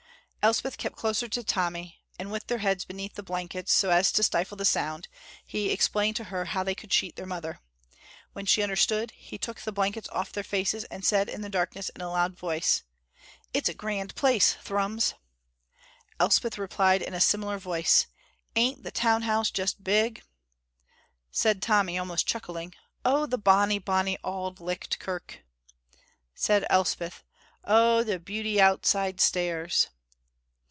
Elspeth kept closer to Tommy, and with their heads beneath the blankets, so as to stifle the sound, he explained to her how they could cheat their mother. When she understood, he took the blankets off their faces and said in the darkness in a loud voice: "It's a grand place, Thrums!" Elspeth replied in a similar voice, "Ain't the town house just big!" Said Tommy, almost chuckling, "Oh, the bonny, bonny Auld Licht Kirk!" Said Elspeth, "Oh, the beauty outside stairs!"